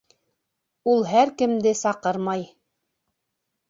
Ул һәр кемде саҡырмай...